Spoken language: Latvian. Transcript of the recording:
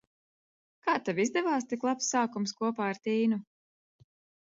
Kā tev izdevās tik labs sākums kopā ar Tīnu?